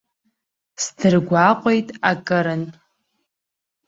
Сдыргәаҟит акырынтә.